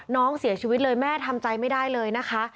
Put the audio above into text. น้องเสียชีวิตเลยแม่ทำใจไม่ได้เลยนะคะ